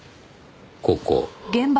ここ。